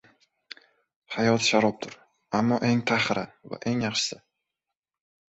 • Hayot sharobdir, ammo eng taxiri va eng yaxshisi.